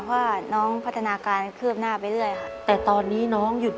เพราะว่าน้องพัฒนาการเคลือบหน้าไปเรื่อยค่ะแต่ตอนนี้น้องหยุด